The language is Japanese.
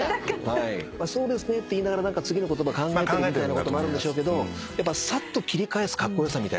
「そうですね」って言いながら次の言葉考えてるみたいなこともあるんでしょうけどさっと切り返すカッコ良さみたいなものもね。